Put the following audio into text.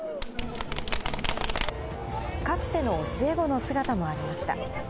かつての教え子の姿もありま